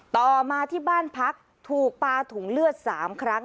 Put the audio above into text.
ต่อมาที่บ้านพักถูกปลาถุงเลือด๓ครั้ง